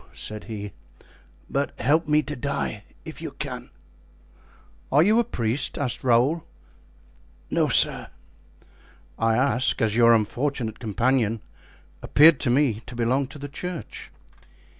said he, "but help me to die, if you can." "Are you a priest?" asked Raoul. "No sir." "I ask, as your unfortunate companion appeared to me to belong to the church."